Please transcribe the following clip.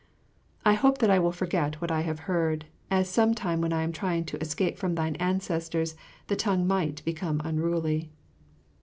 I hope that I will forget what I have heard, as some time when I am trying to escape from thine ancestors the tongue might become unruly.